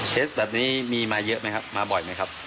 เคสแบบนี้มีมาเยอะไหมครับมาบ่อยไหมครับ